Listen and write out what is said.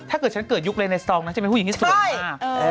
ถ้าเกิดฉันเกิดยุคเลยในสตองนั้นจะเป็นผู้หญิงที่สวยมาก